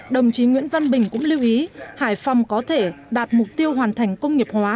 đồng chí nguyễn văn bình cũng lưu ý hải phòng có thể đạt mục tiêu hoàn thành công nghiệp hóa